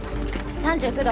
３９度。